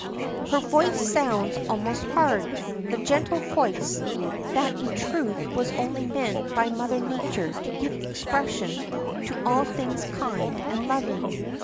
Her voice sounds almost hard the gentle voice, that in truth was only meant by Mother Nature to give expression to all things kind and loving.